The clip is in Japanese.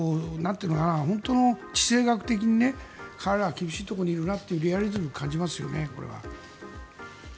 本当の、地政学的に彼らは厳しいところにいるなというリアリズムを感じますよね、これは。